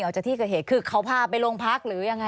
คือเคาะพาไปลงพักหรือยังไง